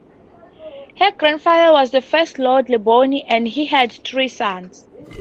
Her grandfather was the first Lord Leybourne and he had three sons.